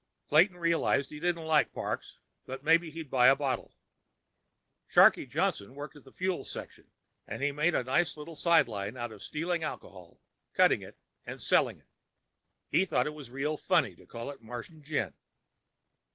Clayton realized he didn't like Parks. But maybe he'd buy a bottle. Sharkie Johnson worked in Fuels Section, and he made a nice little sideline of stealing alcohol, cutting it, and selling it. He thought it was real funny to call it Martian Gin.